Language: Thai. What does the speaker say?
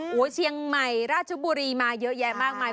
โอ้โหเชียงใหม่ราชบุรีมาเยอะแยะมากมาย